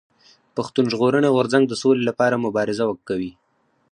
پښتون ژغورني غورځنګ د سولي لپاره مبارزه کوي.